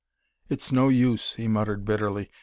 "It's no use," he muttered bitterly.